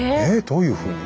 どういうふうに？